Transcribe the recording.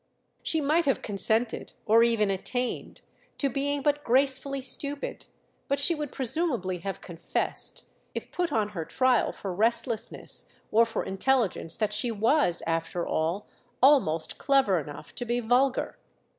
She might have consented, or even attained, to being but gracefully stupid, but she would presumably have confessed, if put on her trial for restlessness or for intelligence, that she was, after all, almost clever enough to be vulgar.